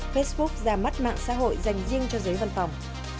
facebook ra mắt mạng xã hội dành riêng cho giới văn phòng